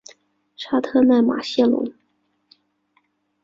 沙特奈马谢龙。